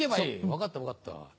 分かった分かった。